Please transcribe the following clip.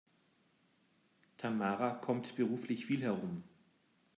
Tamara kommt beruflich viel herum.